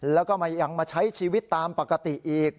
แล้วก็ยังมาใช้ชีวิตตามปกติอีก